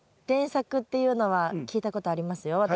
連作っていうのは聞いたことありますよ。